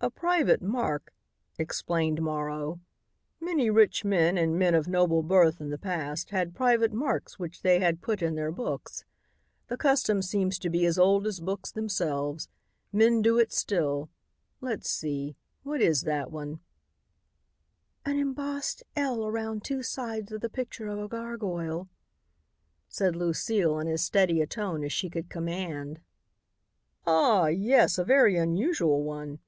"A private mark," explained Morrow. "Many rich men and men of noble birth in the past had private marks which they put in their books. The custom seems to be as old as books themselves. Men do it still. Let's see, what is that one?" "An embossed 'L' around two sides of the picture of a gargoyle," said Lucile in as steady a tone as she could command. "Ah! yes, a very unusual one.